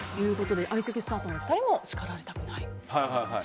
相席スタートの２人も叱られたくない。